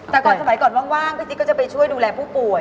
แต่ก่อนสมัยก่อนว่างพี่ติ๊กก็จะไปช่วยดูแลผู้ป่วย